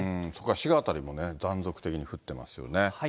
滋賀辺りもね、断続的に降ってますよね。